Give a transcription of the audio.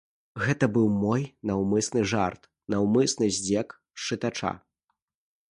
Гэта быў мой наўмысны жарт, наўмысны здзек з чытача.